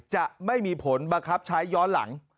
จะไม่มีผลบังคับใช้ย้อนหลัง